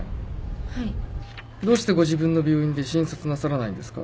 はいどうしてご自分の病院で診察なさらないんですか？